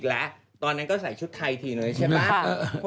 จากธนาคารกรุงเทพฯ